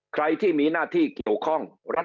ใครที่มีหน้าที่เกี่ยวข้องรัฐ